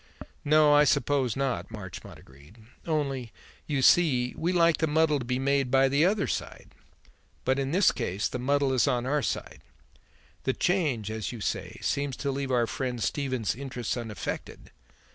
"No, I suppose not," Marchmont agreed. "Only, you see, we like the muddle to be made by the other side. But, in this case, the muddle is on our side. The change, as you say, seems to leave our friend Stephen's interests unaffected.